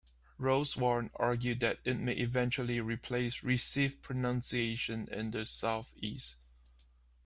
Rosewarne argued that it may eventually replace Received Pronunciation in the south-east.